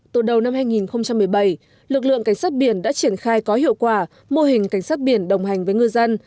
từ đầu năm hai nghìn một mươi bảy lực lượng cảnh sát biển đã triển khai có hiệu quả mô hình cảnh sát biển đồng hành với ngư dân